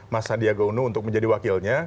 mas sandiaga uno untuk menjadi wakilnya